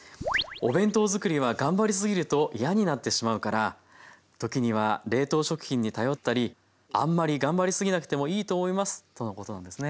「お弁当づくりは頑張りすぎると嫌になってしまうから時には冷凍食品に頼ったりあんまり頑張りすぎなくてもいいと思います」とのことなんですね。